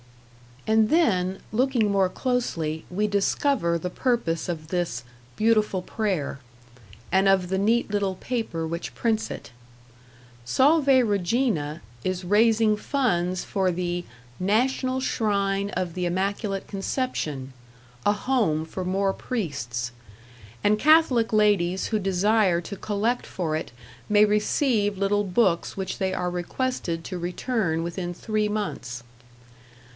And then, looking more closely, we discover the purpose of this "beautiful prayer", and of the neat little paper which prints it. "Salve Regina" is raising funds for the "National Shrine of the Immaculate Conception", a home for more priests, and Catholic ladies who desire to collect for it may receive little books which they are requested to return within three months.